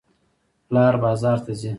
پلار بازار ته ځي.